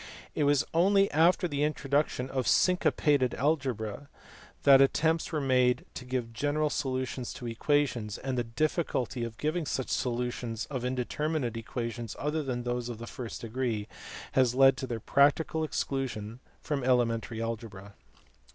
It was only after the introduction of syncopated algebra that attempts were made to give general solutions of equations, and the .difficulty of giving such solu tions of indeterminate equations other than those of the first degree has led to their practical exclusion from elementary algebra.